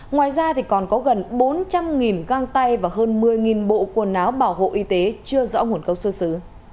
ngoài ra còn có gần bốn trăm linh găng tay và hơn một mươi bộ quần áo bảo hộ y tế chưa rõ nguồn gốc xuất xứ